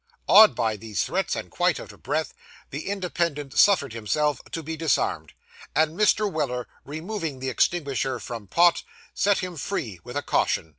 Awed by these threats, and quite out of breath, the Independent suffered himself to be disarmed; and Mr. Weller, removing the extinguisher from Pott, set him free with a caution.